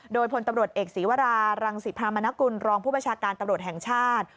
โดยพลตำรวจเอกศีวรารังศิพรามนกุลรองผู้บัญชาการตำรวจแห่งชาติ